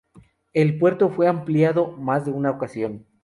El puerto fue ampliado en más de una ocasión.